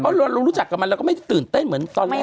เพราะเรารู้จักกับมันเราก็ไม่ได้ตื่นเต้นเหมือนตอนแรก